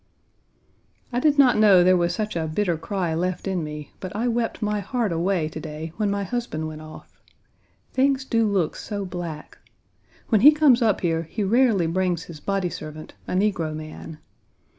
I did not know there was such a "bitter cry" left in me, but I wept my heart away to day when my husband went off. Things do look so black. When he comes up here he rarely brings his body servant, a negro man.